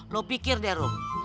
lu pikir deh rom